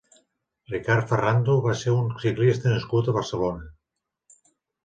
Ricard Ferrando va ser un ciclista nascut a Barcelona.